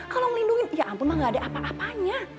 kalau ngelindungin ya ampun ma gak ada apa apanya